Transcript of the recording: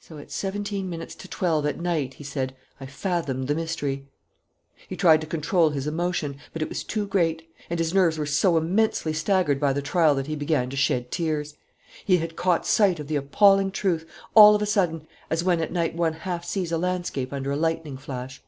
"So at seventeen minutes to twelve at night," he said, "I fathomed the mystery." He tried to control his emotion, but it was too great; and his nerves were so immensely staggered by the trial that he began to shed tears. He had caught sight of the appalling truth, all of a sudden, as when at night one half sees a landscape under a lightning flash.